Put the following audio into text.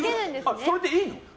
それでいいの？